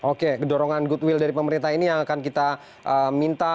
oke dorongan goodwill dari pemerintah ini yang akan kita minta